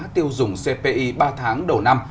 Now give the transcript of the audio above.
tiêu dùng cpi ba tháng đầu năm